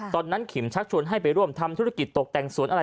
ขิมชักชวนให้ไปร่วมทำธุรกิจตกแต่งสวนอะไร